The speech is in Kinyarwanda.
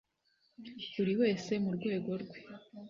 buri wese mu rwego rwe